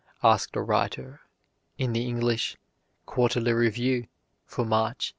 asked a writer in the English "Quarterly Review" for March, 1825.